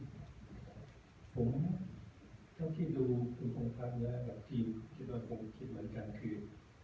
ผมเมื่อกี้ดูคุณคงฟังแล้วกับทีมคิดว่าผมคิดเหมือนกันคือ